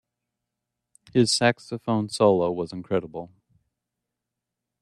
His saxophone solo was incredible.